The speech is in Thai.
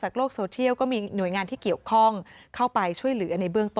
โลกโซเทียลก็มีหน่วยงานที่เกี่ยวข้องเข้าไปช่วยเหลือในเบื้องต้น